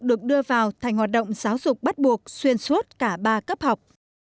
được đưa vào thành hoạt động giáo dục bắt buộc xuyên suốt cả ba cấp học